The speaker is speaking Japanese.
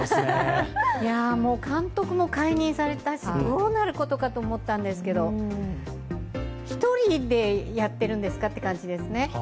もう、監督も解任されたし、どうなることかと思ったんですけど１人でやっているんですかって感じですね。